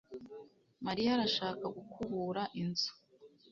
Mariya arashaka gukubura inzu